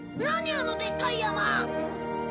あのでっかい山！